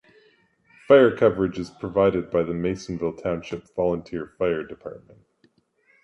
Fire coverage is provided by the Masonville Township Volunteer Fire Department.